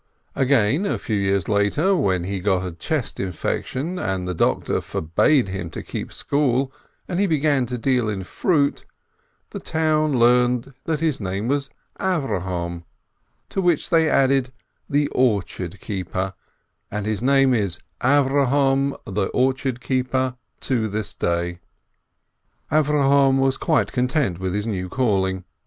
Again, a few years later, when he got a chest affection, and the doctor forbade him to keep school, and he began to deal in fruit, the town learnt that his name was Avrohom, to which they added "the orchard keeper," and his name is "Avrohom the orchard keeper" to this day. Avrohom was quite content with his new calling.